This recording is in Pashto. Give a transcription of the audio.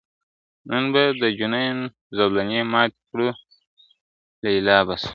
نن به د جنون زولنې ماتي کړو لیلا به سو !.